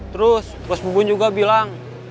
terus mas bubun juga bilang